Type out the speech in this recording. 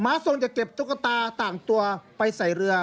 ทรงจะเก็บตุ๊กตาต่างตัวไปใส่เรือ